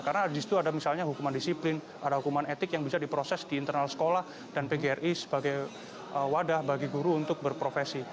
karena di situ ada misalnya hukuman disiplin ada hukuman etik yang bisa diproses di internal sekolah dan pgri sebagai wadah bagi guru untuk berprofesi